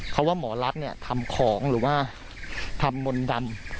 เขาว่าหมอรัฐเนี่ยทำของหรือว่าทำมนต์ดำ